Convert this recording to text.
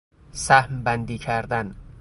سهم بندی کردن